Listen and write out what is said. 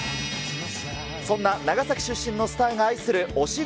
そんな長崎出身のスターが愛する推し